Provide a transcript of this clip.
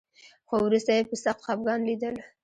خو وروسته یې په سخت خپګان لیدل